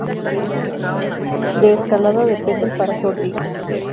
De Escalada depende el Paraje Ortiz.